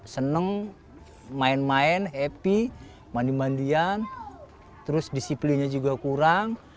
seneng main main happy mandi mandian terus disiplinnya juga kurang